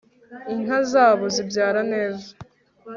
Inka zabo zibyara neza